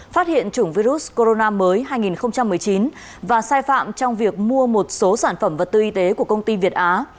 phát hiện chủng virus corona mới hai nghìn một mươi chín và sai phạm trong việc mua một số sản phẩm vật tư y tế của công ty việt á